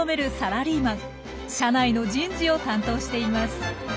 社内の人事を担当しています。